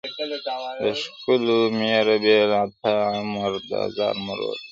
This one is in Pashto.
د ښکلو ميـــــره بې لهٔ تا عـــــــمردراز مـــــــروت ته